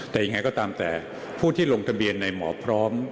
แต่ยังไงก็ตามแต่ผู้ที่ลงทะเบียนในหมอพร้อม